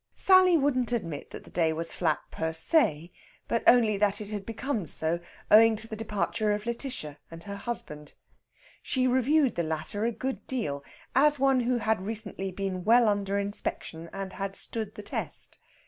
Sally wouldn't admit that the day was flat per se, but only that it had become so owing to the departure of Lætitia and her husband. She reviewed the latter a good deal, as one who had recently been well under inspection and had stood the test.